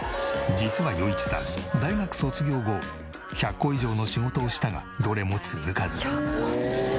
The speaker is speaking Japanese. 実は余一さん大学卒業後１００個以上の仕事をしたがどれも続かず。